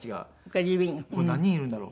これ何人いるんだろう？